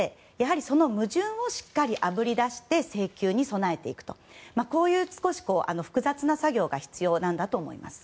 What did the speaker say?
その矛盾をしっかりあぶり出して請求に備えていくという少し複雑な作業が必要なんだと思います。